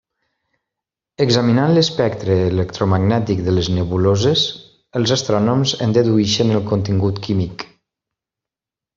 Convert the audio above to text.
Examinant l'espectre electromagnètic de les nebuloses, els astrònoms en dedueixen el contingut químic.